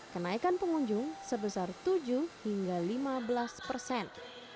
kenaikan pengunjung sebesar tujuh hingga lima belas persen